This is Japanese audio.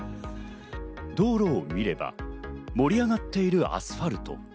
道路を見れば、盛り上がっているアスファルト。